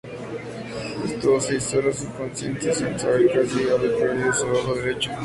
Estuvo seis horas inconsciente, sin saber que casi había perdido su ojo derecho.